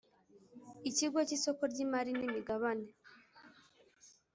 Ikigo cy isoko ry imari n imigabane